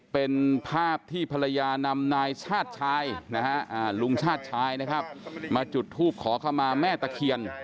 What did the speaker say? เป็นภาพที่ภรรยานำนายชาติชายนะฮะลุงชาติชายนะครับมาจุดทูปขอเข้ามาแม่ตะเคียน